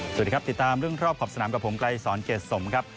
สวัสดีครับติดตามเรื่องรอบขอบสนามกับผมไกลสอนเกรดสมครับ